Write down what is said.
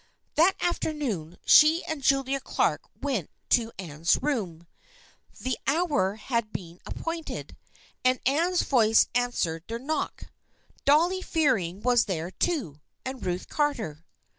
That afternoon she and Julia Clark went to Anne's room. The hour had been appointed, and Anne's voice answered their knock. Dolly Fear ing was there too, and Ruth Carter.